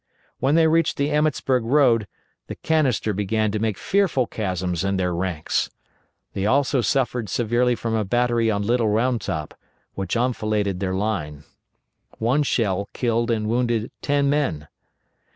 When they reached the Emmetsburg road the canister began to make fearful chasms in their ranks. They also suffered severely from a battery on Little Round Top, which enfiladed their line. One shell killed and wounded ten men.